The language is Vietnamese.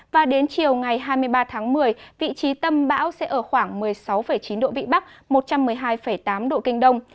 và đến chiều ngày hai mươi ba tháng một mươi vị trí tâm bão sẽ ở khoảng một mươi sáu chín độ vĩ bắc một trăm một mươi hai tám độ kinh đông